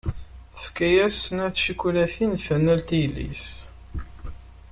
Tefka-as snat tcakulatin d tanalt i yelli-s.